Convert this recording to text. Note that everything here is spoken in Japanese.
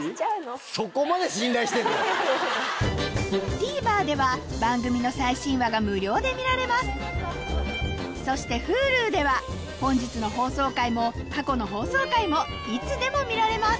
ＴＶｅｒでは番組の最新話が無料で見られますそしてＨｕｌｕでは本日の放送回も過去の放送回もいつでも見られます